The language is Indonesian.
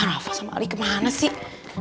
nah rafa sama ali kemana sih